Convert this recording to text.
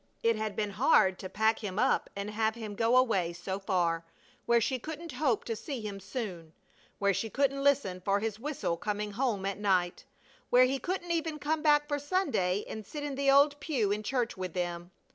It had been hard to pack him up and have him go away so far, where she couldn't hope to see him soon, where she couldn't listen for his whistle coming home at night, where he couldn't even come back for Sunday and sit in the old pew in church with them.